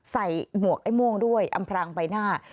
หมวกไอ้ม่วงด้วยอำพรางใบหน้า